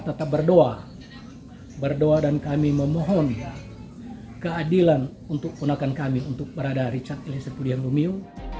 kita tetap berdoa dan kami memohon keadilan untuk punakan kami untuk berada richard eliezer budiang lumio